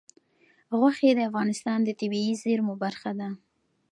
غوښې د افغانستان د طبیعي زیرمو برخه ده.